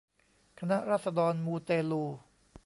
คณะราษฎรมูเตลู